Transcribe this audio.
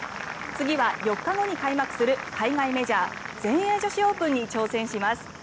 次は４日後に開幕する海外メジャー全英女子オープンに挑戦します。